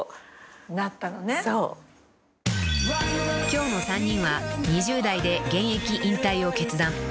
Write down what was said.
［今日の３人は２０代で現役引退を決断］